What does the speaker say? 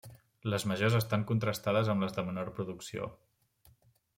Les Majors estan contrastades amb les de menor producció.